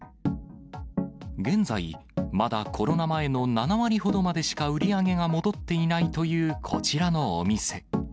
現在、まだコロナ前の７割ほどまでしか売り上げが戻っていないというこちらのお店。